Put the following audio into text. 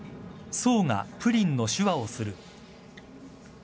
そうがプリンの手話をする。